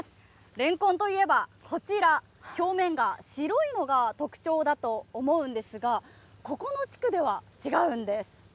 レンコンといえばこちら、表面が白いのが特徴だと思うんですが、ここの地区では違うんです。